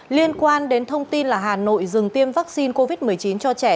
liên quan đến thông tin là hà nội dừng tiêm vaccine covid một mươi chín cho trẻ